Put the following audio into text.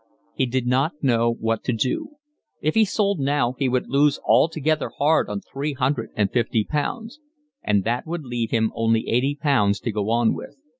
He did not know what to do. If he sold now he would lose altogether hard on three hundred and fifty pounds; and that would leave him only eighty pounds to go on with.